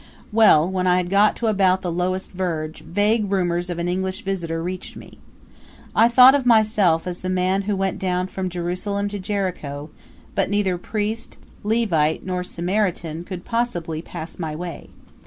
Well, when I had got to about the lowest verge, vague rumors of an English visitor reached me. I thought of myself as the man who went down from Jerusalem to Jericho; but neither priest, Levite, nor Samaritan could possibly pass my way.